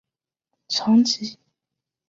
长崎县长崎市出身。